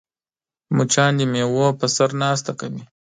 مچان د میوو په سر ناسته کوي